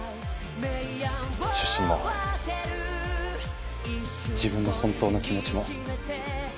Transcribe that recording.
出身も自分の本当の気持ちも。